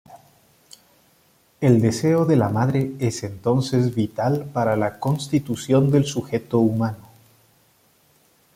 El deseo de la madre es entonces vital para la constitución del sujeto humano.